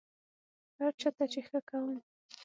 هر چا ته چې ښه کوم،